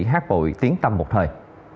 hát bội tiến tâm một thời